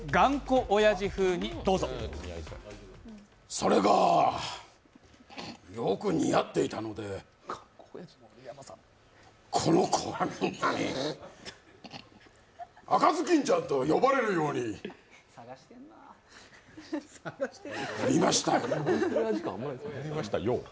それが、よく似合っていたので、この子はみんなに赤ずきんちゃんと呼ばれるようになりました！